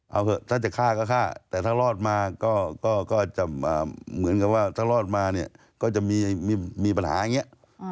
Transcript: เอาเถอะถ้าจะฆ่าก็ฆ่าแต่ถ้ารอดมาก็จะมีปัญหาอย่างเนี่ย